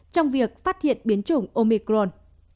trong việc phát hiện biến chủng omicron